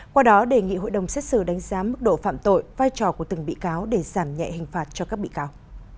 qua đó đề nghị hội đồng xét xử đánh giá mức độ phạm tội vai trò của từng bị cáo để giảm nhẹ hình phạt cho các bị cáo